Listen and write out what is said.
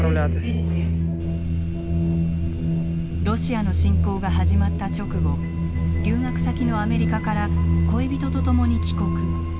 ロシアの侵攻が始まった直後留学先のアメリカから恋人とともに帰国。